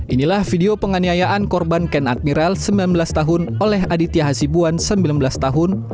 inilah video penganiayaan korban ken admiral sembilan belas tahun oleh aditya hasibuan sembilan belas tahun